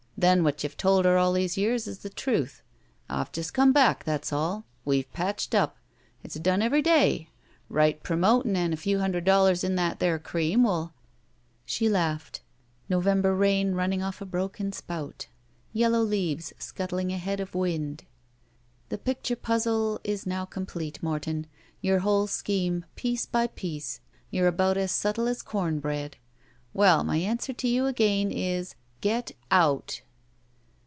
Then what you've told her all these years is the truth, I've just come back, that's all. We've patched up. It's done every day. Right promoting and a few hundred dollar^ in that there cream will —" She laughed. November rain running off a broken spout. YeUow leaves scuttling ahead of wind. *'The picture puzzle is now complete, Morton. Your whole scheme, piece by piece. You're about as subtle as com bread. Well, my answer to you again is, 'Get out!'"